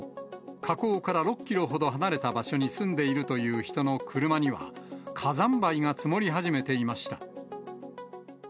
火口から６キロほど離れた場所に住んでいるという人の車には、火山灰が積もり始めていました。